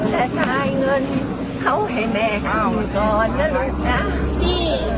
แต่สายเงินเขาให้แม่เข้าก่อนนะลูกนะพี่